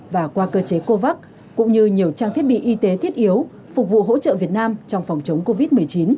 và qua cơ chế covax cũng như nhiều trang thiết bị y tế thiết yếu phục vụ hỗ trợ việt nam trong phòng chống covid một mươi chín